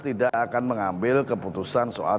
tidak akan mengambil keputusan soal